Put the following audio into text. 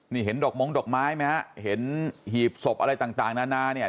นี่เห็นดอกม้งดอกไม้ไหมฮะเห็นหีบศพอะไรต่างนานาเนี่ย